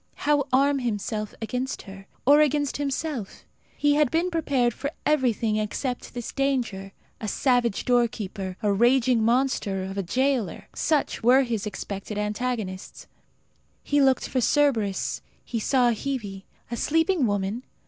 How arm himself against her or against himself? He had been prepared for everything except this danger. A savage doorkeeper, a raging monster of a jailer such were his expected antagonists. He looked for Cerberus; he saw Hebe. A sleeping woman!